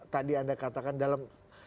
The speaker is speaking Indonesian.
tadi anda katakan dalam